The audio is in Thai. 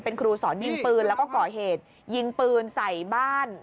เป็นครูสอนยิงปืนแล้วก็ก่อเหตุยิงปืนใส่บ้าน